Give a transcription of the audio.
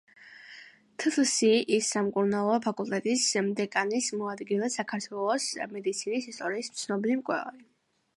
თსსი–ის სამკურნალო ფაკულტეტის დეკანის მოადგილე, საქართველოს მედიცინის ისტორიის ცნობილი მკვლევარი.